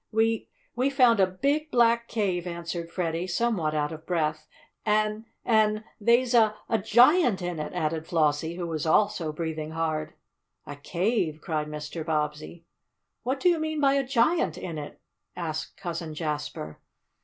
"We we found a big, black cave!" answered Freddie, somewhat out of breath. "An' an' they's a a giant in it!" added Flossie, who was also breathing hard. "A cave!" cried Mr. Bobbsey. "What do you mean by a giant in it?" asked Cousin Jasper.